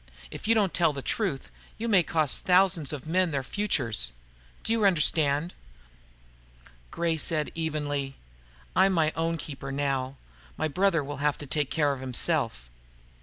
If you don't tell the truth, you may cost thousands of men their futures. "Do you understand? Will you cooperate?" Gray said evenly, "I'm my own keeper, now. My brother will have to take care of himself."